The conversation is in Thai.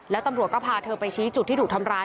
แล้วตำรวจก็พาเธอไปชี้จุดที่ถูกทำร้าย